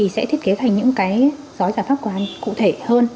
sẽ thiết kế thành những giói giả pháp quà cụ thể hơn